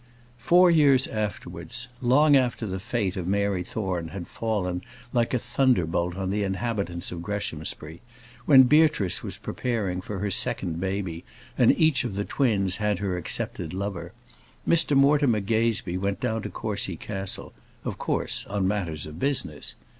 Four years afterwards long after the fate of Mary Thorne had fallen, like a thunderbolt, on the inhabitants of Greshamsbury; when Beatrice was preparing for her second baby, and each of the twins had her accepted lover Mr Mortimer Gazebee went down to Courcy Castle; of course, on matters of business.